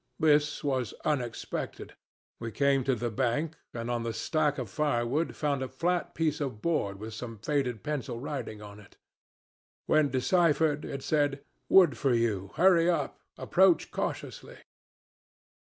This was unexpected. We came to the bank, and on the stack of firewood found a flat piece of board with some faded pencil writing on it. When deciphered it said: 'Wood for you. Hurry up. Approach cautiously.'